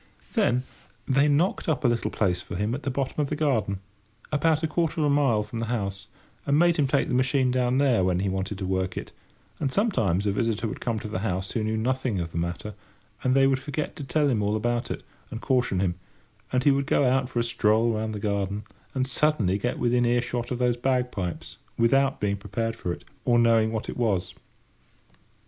Then they knocked up a little place for him at the bottom of the garden, about quarter of a mile from the house, and made him take the machine down there when he wanted to work it; and sometimes a visitor would come to the house who knew nothing of the matter, and they would forget to tell him all about it, and caution him, and he would go out for a stroll round the garden and suddenly get within earshot of those bagpipes, without being prepared for it, or knowing what it was.